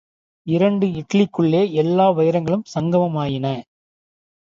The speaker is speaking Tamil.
இரண்டு இட்லிக்குள்ளே எல்லா வைரக்கற்களும் சங்கமமாயின.